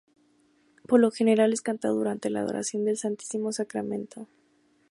Por lo general es cantado durante la adoración del Santísimo Sacramento.